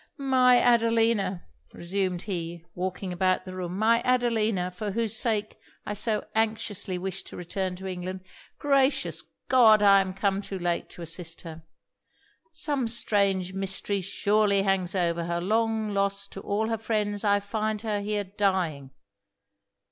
'My Adelina!' resumed he, walking about the room 'my Adelina! for whose sake I so anxiously wished to return to England Gracious God! I am come too late to assist her! Some strange mystery surely hangs over her! Long lost to all her friends, I find her here dying!